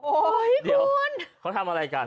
โอ๊ยคุณเดี๋ยวเขาทำอะไรกัน